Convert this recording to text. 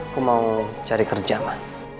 aku mau cari kerja gak